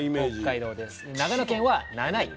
長野県は７位。